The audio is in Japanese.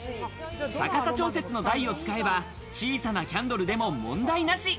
高さ調節の台を使えば、小さなキャンドルでも問題なし。